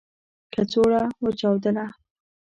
کڅوړه و چاودله .